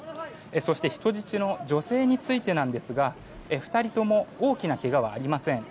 そして人質の女性についてなんですが２人とも大きなけがはありません。